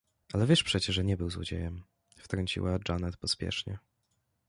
— Ale wiesz przecie, że nie był złodziejem — wtrąciła Janet pospiesznie.